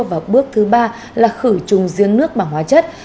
và bước thứ ba là khử trùng riêng nước bằng hóa chất